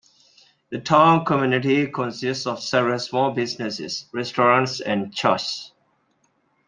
The town community consists of several small businesses, restaurants and churches.